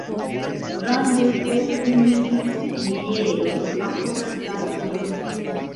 Rande po unuj pilieroj apogas la turon.